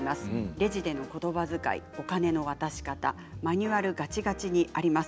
レジでのことばづかいお金の渡し方マニュアルがちがちにあります。